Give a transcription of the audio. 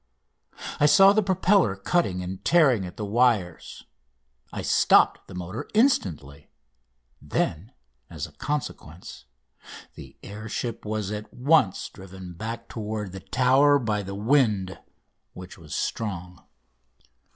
I saw the propeller cutting and tearing at the wires. I stopped the motor instantly. Then, as a consequence, the air ship was at once driven back toward the Tower by the wind, which was strong.